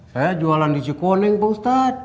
saya jualan dici koneng pak ustadz